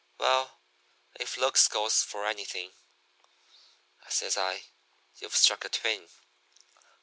"'Well, if looks goes for anything,' says I, 'you've struck a twin.